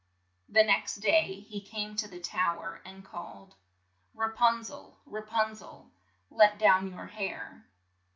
The next day, he came to the tow er and called, "Ra pun zel, Ra pun zel ! let down your hair."